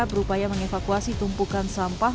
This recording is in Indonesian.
berupaya mengevakuasi tumpukan sampah